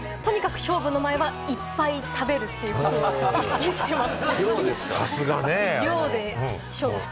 勝負の前はいっぱい食べるということを意識しています。